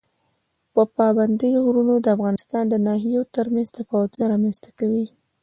پابندی غرونه د افغانستان د ناحیو ترمنځ تفاوتونه رامنځ ته کوي.